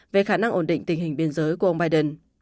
về khả năng ổn định tình hình biên giới của ông biden